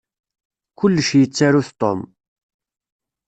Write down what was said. Kullec yettaru-t Tom.